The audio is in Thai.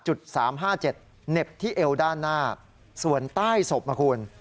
เหน็บที่เอวด้านหน้าส่วนใต้ศพนะคุณ